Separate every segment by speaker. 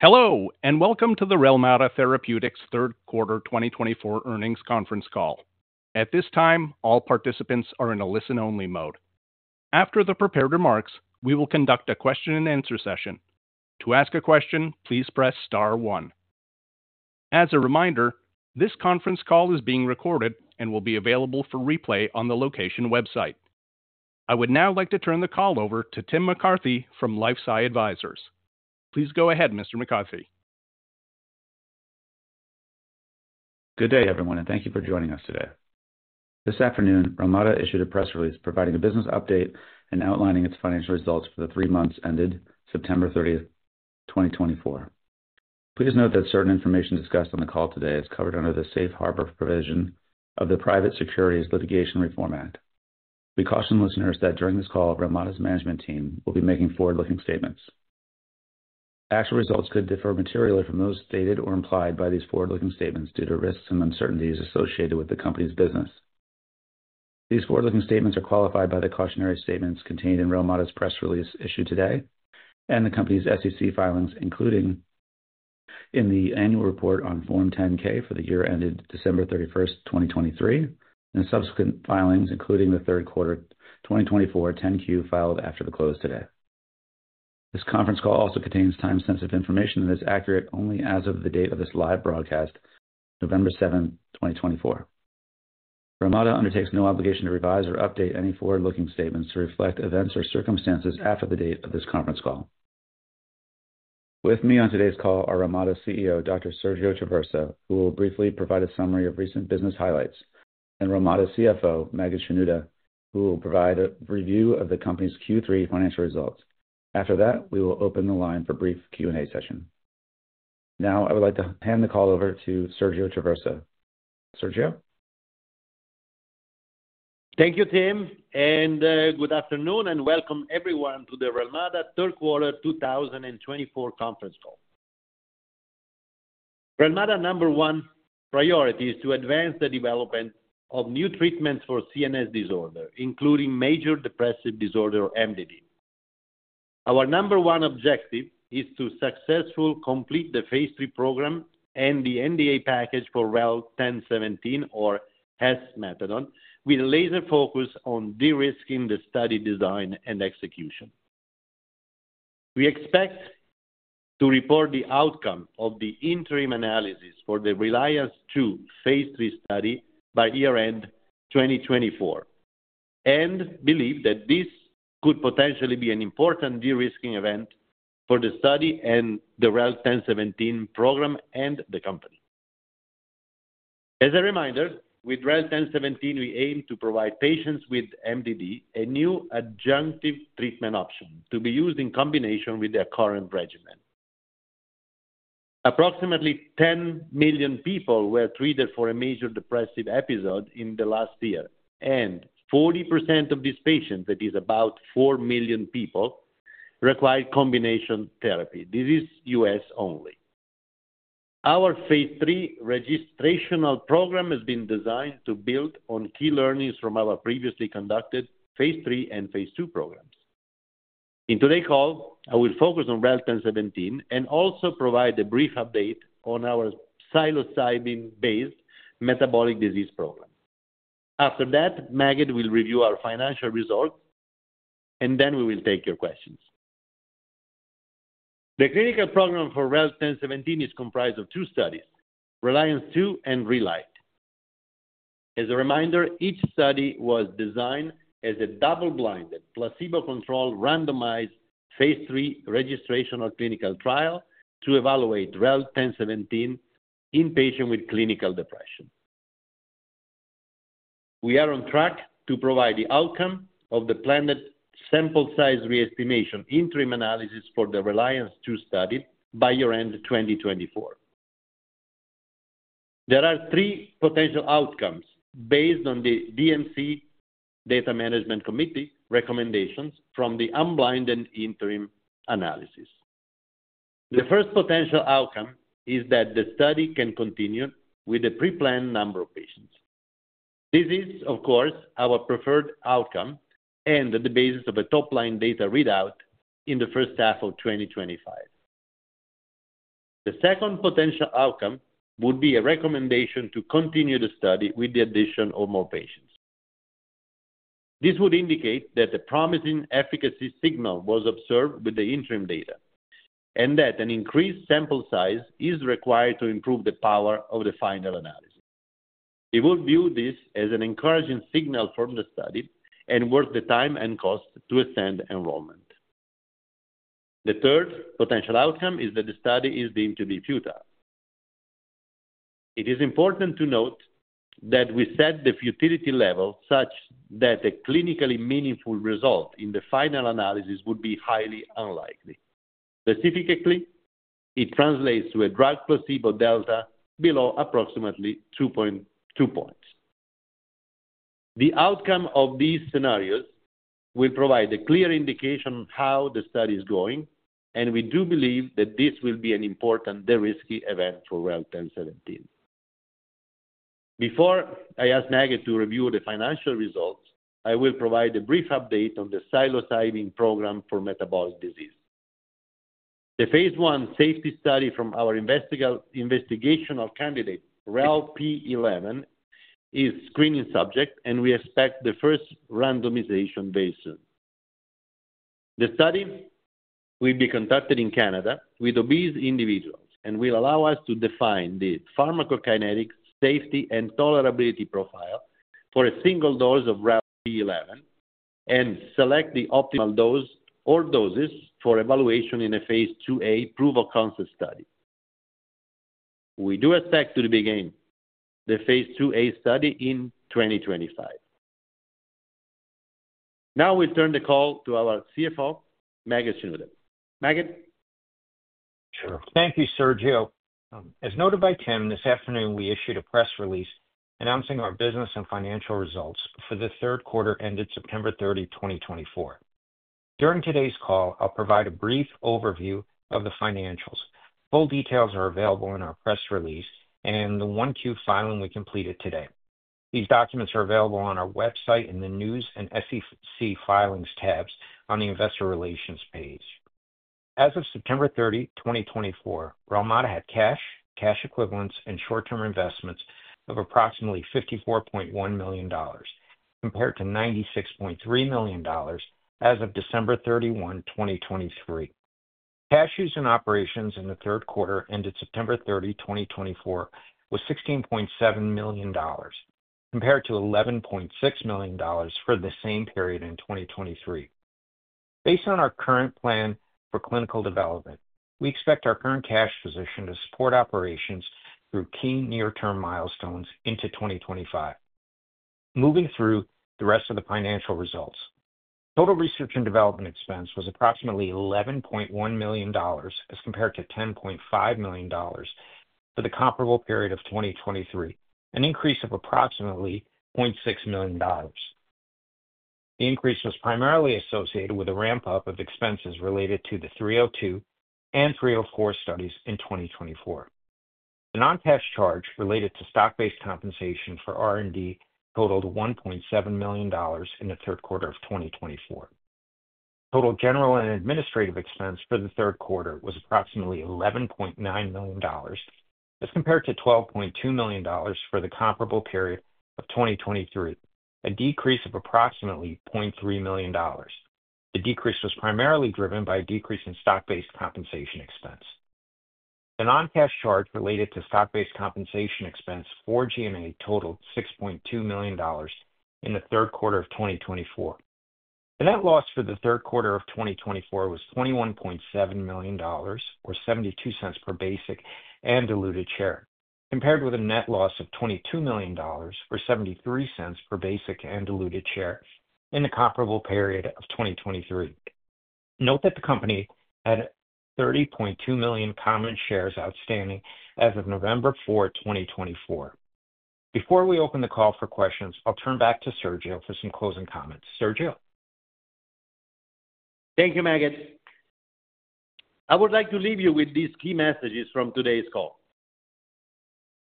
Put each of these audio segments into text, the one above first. Speaker 1: Hello, and welcome to the Relmada Therapeutics Third Quarter 2024 Earnings Conference Call. At this time, all participants are in a listen-only mode. After the prepared remarks, we will conduct a question-and-answer session. To ask a question, please press star one. As a reminder, this conference call is being recorded and will be available for replay on the company's website. I would now like to turn the call over to Tim McCarthy from LifeSci Advisors. Please go ahead, Mr. McCarthy.
Speaker 2: Good day, everyone, and thank you for joining us today. This afternoon, Relmada issued a press release providing a business update and outlining its financial results for the three months ended September 30th, 2024. Please note that certain information discussed on the call today is covered under the safe harbor provision of the Private Securities Litigation Reform Act. We caution listeners that during this call, Relmada's management team will be making forward-looking statements. Actual results could differ materially from those stated or implied by these forward-looking statements due to risks and uncertainties associated with the company's business. These forward-looking statements are qualified by the cautionary statements contained in Relmada's press release issued today and the company's SEC filings, including in the annual report on Form 10-K for the year ended December 31, 2023, and subsequent filings, including the third quarter 2024 10-Q filed after the close today. This conference call also contains time-sensitive information and is accurate only as of the date of this live broadcast, November 7th, 2024. Relmada undertakes no obligation to revise or update any forward-looking statements to reflect events or circumstances after the date of this conference call. With me on today's call are Relmada CEO, Dr. Sergio Traversa, who will briefly provide a summary of recent business highlights, and Relmada CFO, Maged Shenouda, who will provide a review of the company's Q3 financial results. After that, we will open the line for a brief Q&A session. Now, I would like to hand the call over to Sergio Traversa. Sergio?
Speaker 3: Thank you, Tim, and good afternoon, and welcome everyone to the Relmada Third Quarter 2024 Conference Call. Relmada's number one priority is to advance the development of new treatments for CNS disorder, including major depressive disorder, MDD. Our number one objective is to successfully complete the phase III program and the NDA package for Relmada 1017, or esmethadone, with a laser focus on de-risking the study design and execution. We expect to report the outcome of the interim analysis for the Reliance II phase III study by year-end 2024 and believe that this could potentially be an important de-risking event for the study and the Relmada 1017 program and the company. As a reminder, with Relmada 1017, we aim to provide patients with MDD a new adjunctive treatment option to be used in combination with their current regimen. Approximately 10 million people were treated for a major depressive episode in the last year, and 40% of these patients, that is about 4 million people, required combination therapy. This is U.S. only. Our phase III registration program has been designed to build on key learnings from our previously conducted phase III and phase II programs. In today's call, I will focus on Relmada 1017 and also provide a brief update on our psilocybin-based metabolic disease program. After that, Maged will review our financial results, and then we will take your questions. The clinical program for Relmada 1017 is comprised of two studies: Reliance II and Relight. As a reminder, each study was designed as a double-blinded, placebo-controlled, randomized phase III registration or clinical trial to evaluate Relmada 1017 in patients with clinical depression. We are on track to provide the outcome of the planned sample size re-estimation interim analysis for the Reliance II study by year-end 2024. There are three potential outcomes based on the DMC Data Monitoring Committee recommendations from the unblinded interim analysis. The first potential outcome is that the study can continue with the pre-planned number of patients. This is, of course, our preferred outcome and the basis of a top-line data readout in the first half of 2025. The second potential outcome would be a recommendation to continue the study with the addition of more patients. This would indicate that a promising efficacy signal was observed with the interim data and that an increased sample size is required to improve the power of the final analysis. We would view this as an encouraging signal from the study and worth the time and cost to extend enrollment. The third potential outcome is that the study is deemed to be futile. It is important to note that we set the futility level such that a clinically meaningful result in the final analysis would be highly unlikely. Specifically, it translates to a drug placebo delta below approximately two points. The outcome of these scenarios will provide a clear indication of how the study is going, and we do believe that this will be an important de-risky event for Relmada 1017. Before I ask Maged to review the financial results, I will provide a brief update on the psilocybin program for metabolic disease. The phase I safety study from our investigational candidate, Relmada P11, is screening subjects, and we expect the first randomization very soon. The study will be conducted in Canada with obese individuals and will allow us to define the pharmacokinetic safety and tolerability profile for a single dose of Relmada P11 and select the optimal dose or doses for evaluation in a phase IIA proof-of-concept study. We do expect to begin the phase II-A study in 2025. Now we'll turn the call to our CFO, Maged Shenouda. Maged?
Speaker 4: Sure. Thank you, Sergio. As noted by Tim, this afternoon we issued a press release announcing our business and financial results for the third quarter ended September 30, 2024. During today's call, I'll provide a brief overview of the financials. Full details are available in our press release and the 10-Q filing we completed today. These documents are available on our website in the News and SEC Filings tabs on the Investor Relations page. As of September 30, 2024, Relmada had cash, cash equivalents, and short-term investments of approximately $54.1 million, compared to $96.3 million as of December 31, 2023. Cash use in operations in the third quarter ended September 30, 2024, was $16.7 million, compared to $11.6 million for the same period in 2023. Based on our current plan for clinical development, we expect our current cash position to support operations through key near-term milestones into 2025. Moving through the rest of the financial results, total research and development expense was approximately $11.1 million as compared to $10.5 million for the comparable period of 2023, an increase of approximately $0.6 million. The increase was primarily associated with a ramp-up of expenses related to the 302 and 304 studies in 2024. The non-cash charge related to stock-based compensation for R&D totaled $1.7 million in the third quarter of 2024. Total general and administrative expense for the third quarter was approximately $11.9 million as compared to $12.2 million for the comparable period of 2023, a decrease of approximately $0.3 million. The decrease was primarily driven by a decrease in stock-based compensation expense. The non-cash charge related to stock-based compensation expense for G&A totaled $6.2 million in the third quarter of 2024. The net loss for the third quarter of 2024 was $21.7 million, or $0.72 per basic and diluted share, compared with a net loss of $22 million, or $0.73 per basic and diluted share in the comparable period of 2023. Note that the company had 30.2 million common shares outstanding as of November 4, 2024. Before we open the call for questions, I'll turn back to Sergio for some closing comments. Sergio?
Speaker 3: Thank you, Maged. I would like to leave you with these key messages from today's call.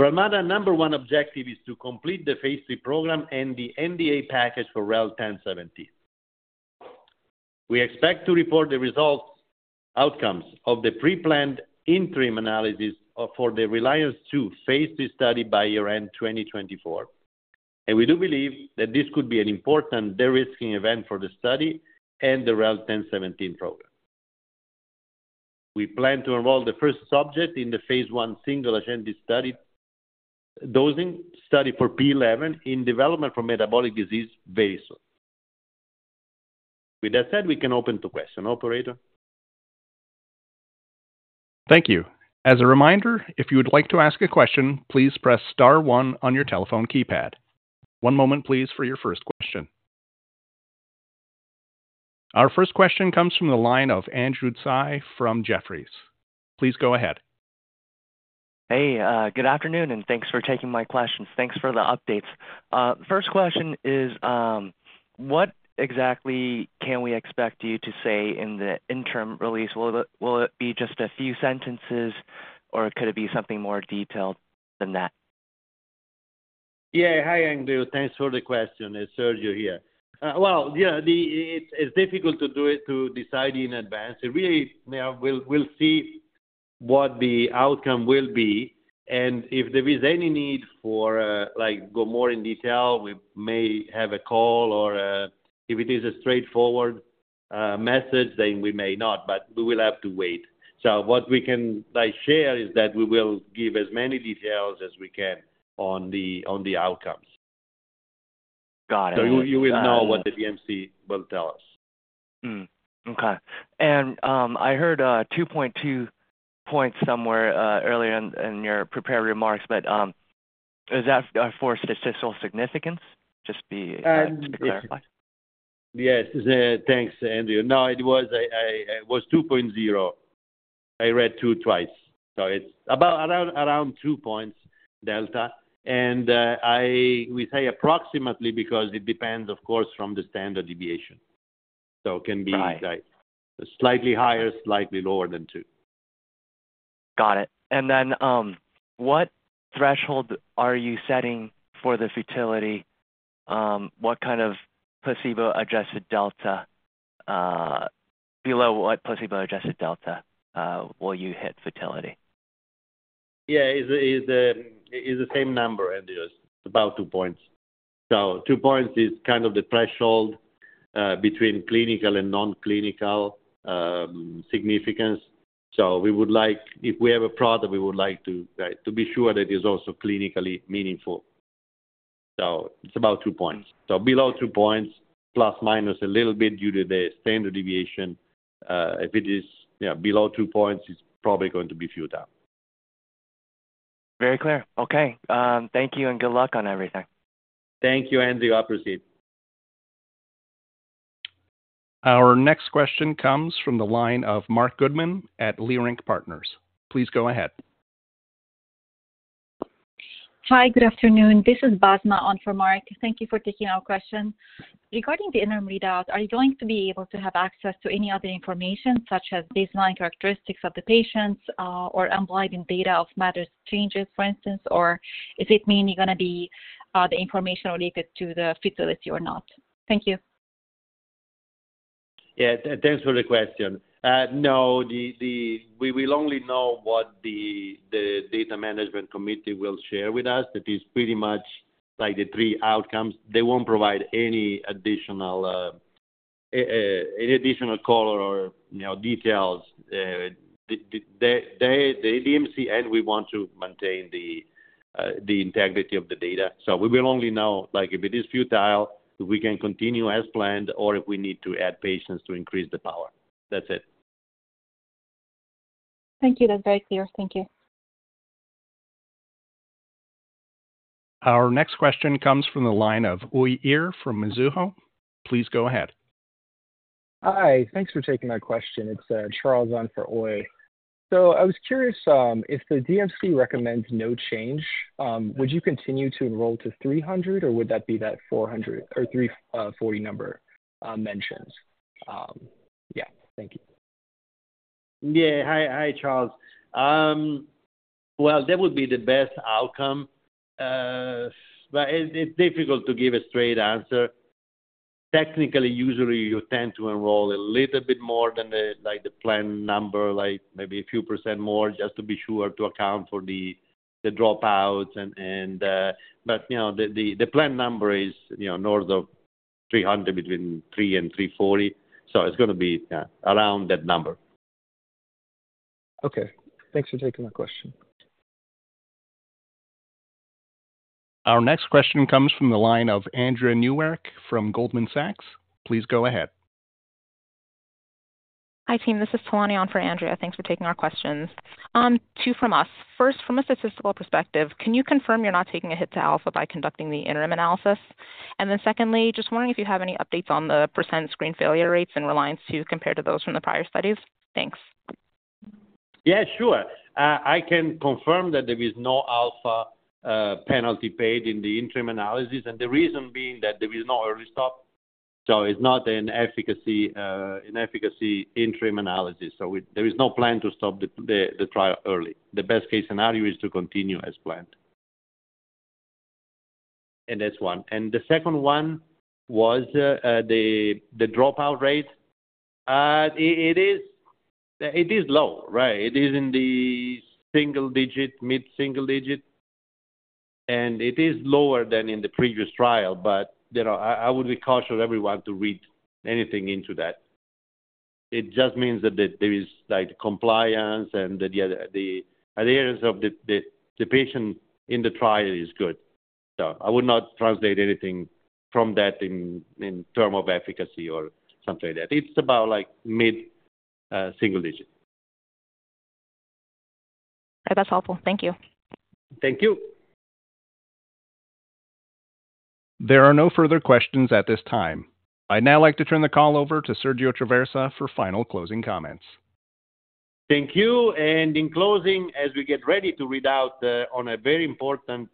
Speaker 3: Relmada's number one objective is to complete the phase III program and the NDA package for Relmada 1017. We expect to report the results of the pre-planned interim analysis for the Reliance II phase III study by year-end 2024, and we do believe that this could be an important de-risking event for the study and the REL-1017 program. We plan to enroll the first subject in the phase I single-agent dosing study for P11 in development for metabolic disease very soon. With that said, we can open the question, Operator.
Speaker 1: Thank you. As a reminder, if you would like to ask a question, please press star one on your telephone keypad. One moment, please, for your first question. Our first question comes from the line of Andrew Tsai from Jefferies. Please go ahead.
Speaker 5: Hey, good afternoon, and thanks for taking my questions. Thanks for the updates. First question is, what exactly can we expect you to say in the interim release? Will it be just a few sentences, or could it be something more detailed than that?
Speaker 3: Yeah, hi, Andrew. Thanks for the question. It's Sergio here. Well, yeah, it's difficult to decide in advance. Really, we'll see what the outcome will be, and if there is any need for, like, go more in detail, we may have a call, or if it is a straightforward message, then we may not, but we will have to wait, so what we can share is that we will give as many details as we can on the outcomes.
Speaker 5: Got it.
Speaker 3: So you will know what the DMC will tell us.
Speaker 5: Okay. And I heard 2.2 points somewhere earlier in your prepared remarks, but is that for statistical significance? Just to clarify.
Speaker 3: Yes. Thanks, Andrew. No, it was 2.0. I read two twice. So it's around 2 points delta. And we say approximately because it depends, of course, from the standard deviation. So it can be slightly higher, slightly lower than two.
Speaker 5: Got it. And then what threshold are you setting for the futility? What kind of placebo-adjusted delta below what placebo-adjusted delta will you hit futility?
Speaker 3: Yeah, it's the same number, Andrew. It's about two points. So two points is kind of the threshold between clinical and non-clinical significance. So we would like, if we have a product, we would like to be sure that it is also clinically meaningful. So it's about two points. So below two points, plus minus a little bit due to the standard deviation. If it is below two points, it's probably going to be futile.
Speaker 5: Very clear. Okay. Thank you, and good luck on everything.
Speaker 3: Thank you, Andrew. I appreciate it.
Speaker 1: Our next question comes from the line of Marc Goodman at Leerink Partners. Please go ahead.
Speaker 6: Hi, good afternoon. This is Basma on for Marc. Thank you for taking our question. Regarding the interim readout, are you going to be able to have access to any other information such as baseline characteristics of the patients or unblinding data of MADRS changes, for instance? Or is it mainly going to be the information related to the futility or not? Thank you.
Speaker 3: Yeah, thanks for the question. No, we will only know what the Data Monitoring Committee will share with us. That is pretty much like the three outcomes. They won't provide any additional color or details. The DMC and we want to maintain the integrity of the data. So we will only know if it is futile, if we can continue as planned, or if we need to add patients to increase the power. That's it.
Speaker 6: Thank you. That's very clear. Thank you.
Speaker 1: Our next question comes from the line of Uy Ear from Mizuho. Please go ahead.
Speaker 7: Hi. Thanks for taking my question. It's Charles Ence for Uy Ear. So I was curious, if the DMC recommends no change, would you continue to enroll to 300, or would that be that 440 number mentioned? Yeah. Thank you.
Speaker 3: Yeah. Hi, Charles. Well, that would be the best outcome. But it's difficult to give a straight answer. Technically, usually, you tend to enroll a little bit more than the plan number, like maybe a few % more, just to be sure to account for the dropouts. But the plan number is north of 300, between 300 and 340. So it's going to be around that number.
Speaker 7: Okay. Thanks for taking my question.
Speaker 1: Our next question comes from the line of Andrea Newkirk from Goldman Sachs. Please go ahead.
Speaker 8: Hi, team. This is Tolani on for Andrea. Thanks for taking our questions. Two from us. First, from a statistical perspective, can you confirm you're not taking a hit to alpha by conducting the interim analysis? And then secondly, just wondering if you have any updates on the % screen failure rates in Reliance II compared to those from the prior studies? Thanks.
Speaker 3: Yeah, sure. I can confirm that there is no alpha penalty paid in the interim analysis, and the reason being that there is no early stop. So it's not an efficacy interim analysis. So there is no plan to stop the trial early. The best-case scenario is to continue as planned. And that's one. And the second one was the dropout rate. It is low, right? It is in the single digit, mid-single digit, and it is lower than in the previous trial. But I would be cautious of everyone to read anything into that. It just means that there is compliance and the adherence of the patient in the trial is good. So I would not translate anything from that in terms of efficacy or something like that. It's about mid-single digit.
Speaker 8: That's helpful. Thank you.
Speaker 3: Thank you.
Speaker 1: There are no further questions at this time. I'd now like to turn the call over to Sergio Traversa for final closing comments.
Speaker 3: Thank you, and in closing, as we get ready to read out on a very important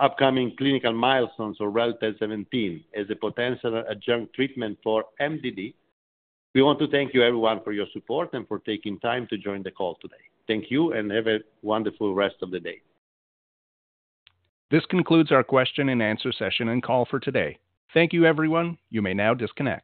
Speaker 3: upcoming clinical milestone for Relmada 1017 as a potential adjunct treatment for MDD, we want to thank you, everyone, for your support and for taking time to join the call today. Thank you, and have a wonderful rest of the day.
Speaker 1: This concludes our question-and-answer session and call for today. Thank you, everyone. You may now disconnect.